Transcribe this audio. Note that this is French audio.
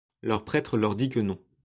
Le prêtre leur dit que non.